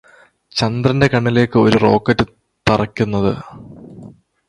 ചന്ദ്രന്റെ കണ്ണിലേക്ക് ഒരു റോക്കറ്റ് തറയ്ക്കുന്നത്